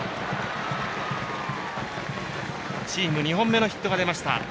チーム２本目のヒットが出ました。